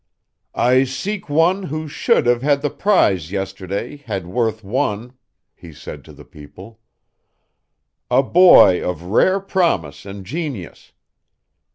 "I seek one who should have had the prize yesterday had worth won," he said to the people "a boy of rare promise and genius.